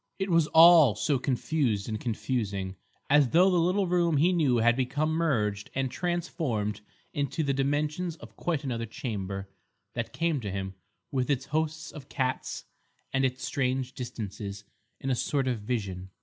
It was all so confused and confusing, as though the little room he knew had become merged and transformed into the dimensions of quite another chamber, that came to him, with its host of cats and its strange distances, in a sort of vision.